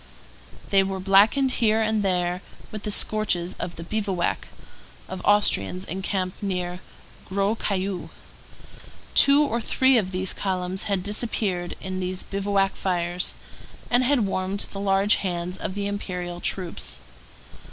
They were blackened here and there with the scorches of the bivouac of Austrians encamped near Gros Caillou. Two or three of these columns had disappeared in these bivouac fires, and had warmed the large hands of the Imperial troops.